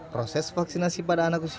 proses vaksinasi pada anak usia